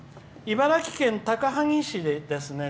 茨城県高萩市ですね。